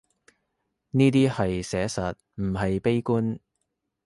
呢啲係寫實，唔係悲觀